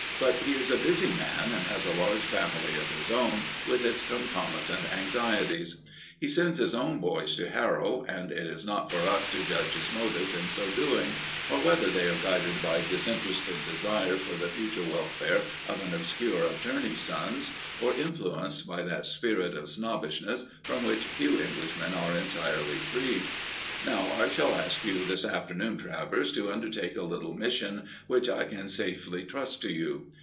But he is a busy man, and has a large family of his own, with its concomitant anxieties. He sends his own boys to Harrow, and it is not for us to judge his motives in so doing, or whether they are guided by disinterested desire for the future welfare of an obscure attorney's sons, or influenced by that spirit of snobbishness from which few Englishmen are entirely free. "Now, I shall ask you this afternoon, Travers, to undertake a little mission which I can safely trust to you.